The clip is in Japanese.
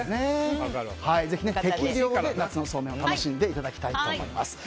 ぜひ適量で夏のそうめんを楽しんでいただきたいと思います。